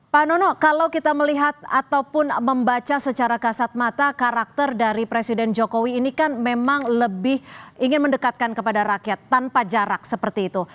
pak nono kalau kita melihat ataupun membaca secara kasat mata karakter dari presiden jokowi ini kan memang lebih ingin mendekatkan kepada rakyat tanpa jarak seperti itu